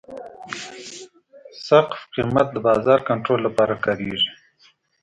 سقف قیمت د بازار کنټرول لپاره کارېږي.